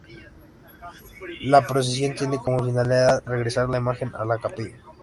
La procesión tiene como finalidad regresar la imagen a la capilla.